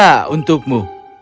salam juga untukmu